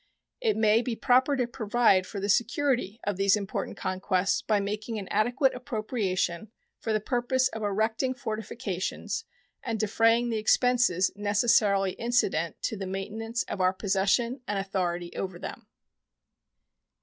It may be proper to provide for the security of these important conquests by making an adequate appropriation for the purpose of erecting fortifications and defraying the expenses necessarily incident to the maintenance of our possession and authority over them.